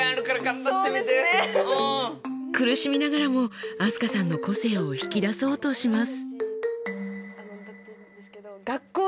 苦しみながらも飛鳥さんの個性を引き出そうとします。